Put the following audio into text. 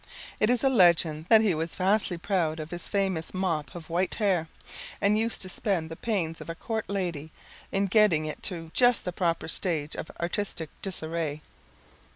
It is a legend that he was vastly proud of his famous mop of white hair, and used to spend the pains of a court lady in getting it to just the proper stage of artistic disarray.